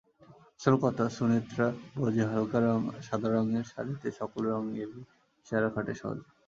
আসল কথা, সুনেত্রা বোঝে হালকা সাদা রঙের শাড়িতে সকল রঙেরই ইশারা খাটে সহজে।